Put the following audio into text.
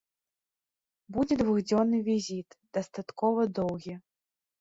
Будзе двухдзённы візіт, дастаткова доўгі.